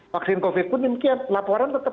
vaksin covid pun demikian laporan tetap